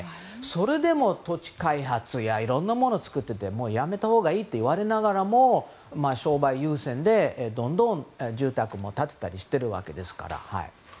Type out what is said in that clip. それでも土地開発やいろんなものを作っていてもうやめたほうがいいと言われながらも商売優先で、どんどん住宅も建てたりしているわけですから。